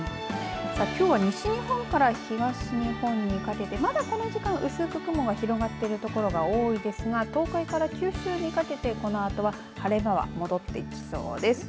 きょうは西日本から東日本にかけて今この時間、薄く雲が広がっている所が多いですが東海から九州にかけてこのあとは晴れ間が戻ってきそうです。